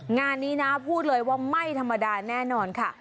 งานนี้นะพูดเลยว่าไม่ธรรมดาแน่นอนค่ะ